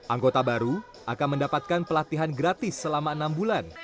anggota baru akan mendapatkan pelatihan gratis selama enam bulan